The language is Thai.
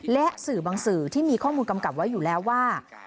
และสื่อบางสื่อที่มีข้อมูลกำกับไว้อยู่แล้วว่า